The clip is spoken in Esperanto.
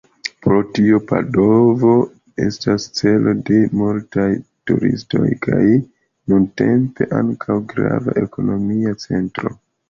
Pro tio Padovo estas celo de multaj turistoj, kaj nuntempe ankaŭ grava ekonomia centro.